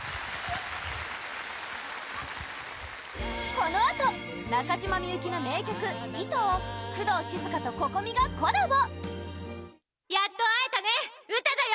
このあと中島みゆきの名曲「糸」を工藤静香とＣｏｃｏｍｉがコラボウタ：やっと会えたねウタだよ！